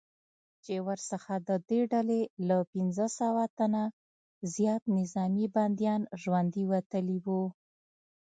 چې ورڅخه ددې ډلې له پنځه سوه تنه زیات نظامي بندیان ژوندي وتلي وو